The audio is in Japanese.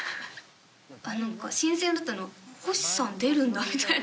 何か新鮮だったのは星さん出るんだみたいな。